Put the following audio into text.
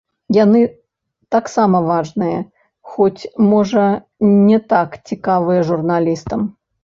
Яны таксама важныя, хоць, можа, не так цікавыя журналістам.